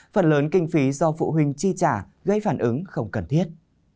phần lớn kinh phí do phụ huynh chi trả gây phản ứng không cần thiết